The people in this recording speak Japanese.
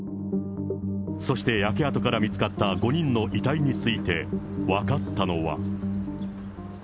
そして焼け跡から見つかった５人の遺体について分かったのは。